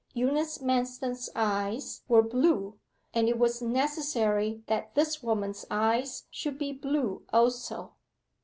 Eunice Manston's eyes were blue, and it was necessary that this woman's eyes should be blue also.